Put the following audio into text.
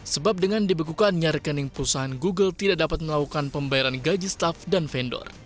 sebab dengan dibekukannya rekening perusahaan google tidak dapat melakukan pembayaran gaji staff dan vendor